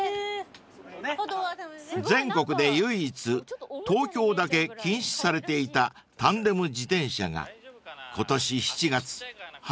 ［全国で唯一東京だけ禁止されていたタンデム自転車が今年７月晴れて解禁。